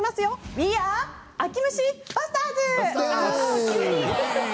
ウィーアー秋虫バスターズ！